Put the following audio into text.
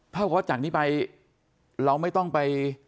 กับว่าจากนี้ไปเราไม่ต้องไป